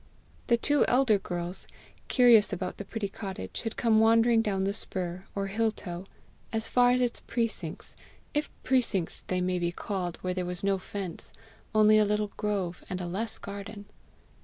The two elder girls, curious about the pretty cottage, had come wandering down the spur, or hill toe, as far as its precincts if precincts they may be called where was no fence, only a little grove and a less garden.